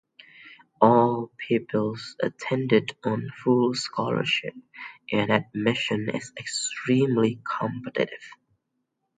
All pupils attend on full scholarship and admission is extremely competitive.